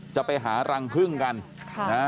จะไปหารังพึ่งกันนะ